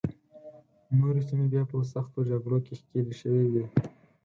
نورې سیمې بیا په سختو جګړو کې ښکېلې شوې وې.